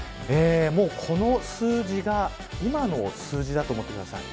この数字が今の数字だと思ってください。